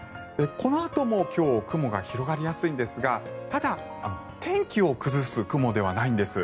このあとも今日、雲が広がりやすいんですがただ、天気を崩す雲ではないんです。